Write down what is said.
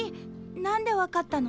なんで分かったの？